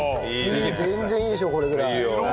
いい全然いいでしょこれぐらい。